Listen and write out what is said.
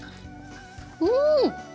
うん。